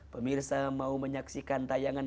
pemirsa mau menyaksikan tayangan